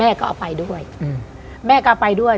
อ้าวแม่ก็เอาไปด้วย